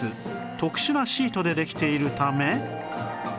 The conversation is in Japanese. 特殊なシートでできているため